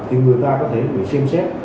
thì người ta có thể bị xem xét